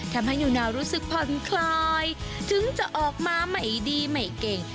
ทำให้นิวนาวรู้สึกผ่อนคลายถึงจะออกมาไม่ดีไม่เก่ง